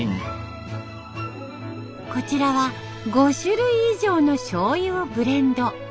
こちらは５種類以上のしょうゆをブレンド。